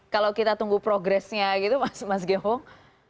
kalau kita tunggu progressnya gitu mas gye hong